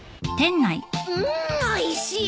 うんおいしい！